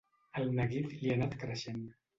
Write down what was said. El neguit li ha anat creixent.